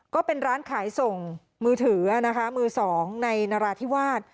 ก็เป็นร้านขายส่งมือถือนะคะมือสองในนราธิวาส